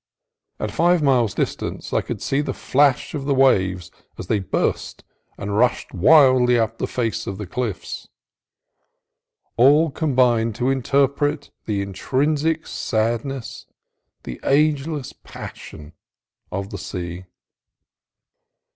At five miles' distance I could see the flash of the waves as they burst and rushed wildly up the face of the cliffs. All combined to interpret the intrinsic sadness, the ageless passion, of the sea.